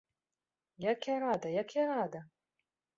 Як я рада, як я рада!